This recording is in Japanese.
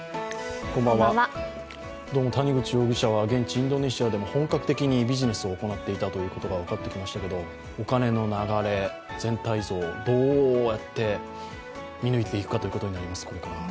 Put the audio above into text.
どうも谷口容疑者は現地インドネシアでも本格的にビジネスを行っていたということが分かってきましたけどお金の流れ、全体像、どうやって見抜いていくかということになりますね。